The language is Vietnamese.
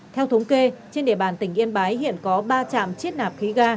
theo thống kê trên địa bàn tỉnh yên bái hiện có ba trạm chiết nạp khí ga